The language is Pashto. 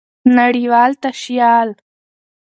نړۍوال تشيال